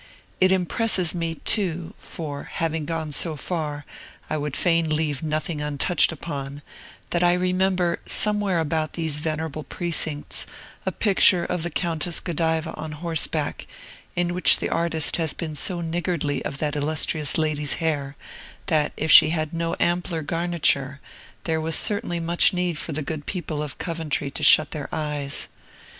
It impresses me, too (for, having gone so far, I would fain leave nothing untouched upon), that I remember, somewhere about these venerable precincts, a picture of the Countess Godiva on horseback, in which the artist has been so niggardly of that illustrious lady's hair, that, if she had no ampler garniture, there was certainly much need for the good people of Coventry to shut their eyes.